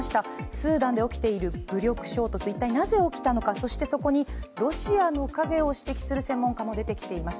スーダンで起きている武力衝突、一体なぜ起きたのか、そしてそこにロシアの影を指摘する専門家も出てきています。